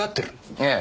ええ。